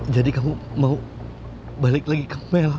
jadi kamu mau balik lagi ke melang